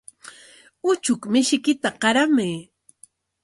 Uchuk mishiykita qaramay.